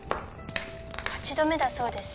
８度目だそうです。